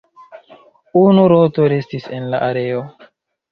Unu roto restis en la areo.